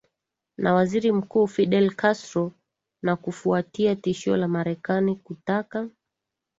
Na Waziri Mkuu Fidel Castro na kufuatia tishio la Marekani kutaka